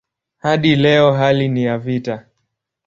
Hadi leo hali ni ya vita.